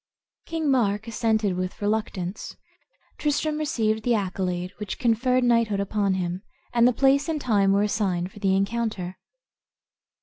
King Mark assented with reluctance; Tristram received the accolade, which conferred knighthood upon him, and the place and time were assigned for the encounter.